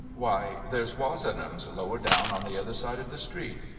Why there's Wozenham's lower down on the other side of the street.